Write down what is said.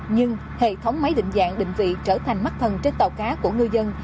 nhưng hệ thống máy định dạng định vị trở thành mắt thần trên tàu cá của ngư dân